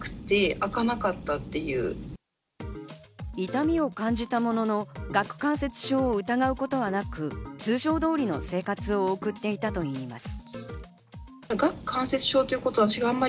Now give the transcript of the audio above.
痛みを感じたものの、顎関節症を疑うことはなく、通常通りの生活を送っていたといいます。